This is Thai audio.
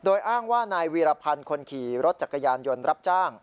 โดยอ้างว่านายวีรพันธ์คนขี่รถจักรยานยนต์รับจ้าง